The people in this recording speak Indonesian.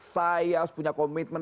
saya harus punya komitmen